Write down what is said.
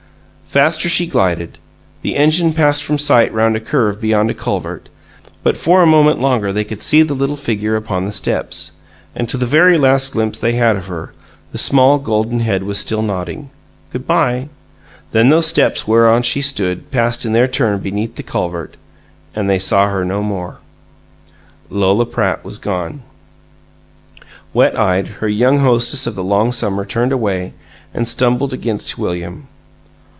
Faster she glided; the engine passed from sight round a curve beyond a culvert, but for a moment longer they could see the little figure upon the steps and, to the very last glimpse they had of her, the small, golden head was still nodding "Good by!" Then those steps whereon she stood passed in their turn beneath the culvert, and they saw her no more. Lola Pratt was gone! Wet eyed, her young hostess of the long summer turned away, and stumbled against William.